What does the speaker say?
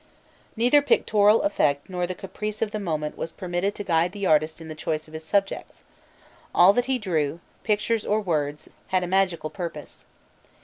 Neither pictorial effect nor the caprice of the moment was permitted to guide the artist in the choice of his subjects; all that he drew, pictures or words, bad a magical purpose.